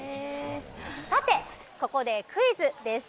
さて、ここでクイズです。